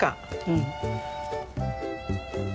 うん。